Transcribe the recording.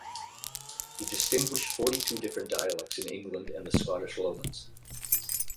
He distinguished forty-two different dialects in England and the Scottish Lowlands.